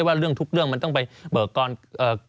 สำหรับสนุนโดยหวานได้ทุกที่ที่มีพาเลส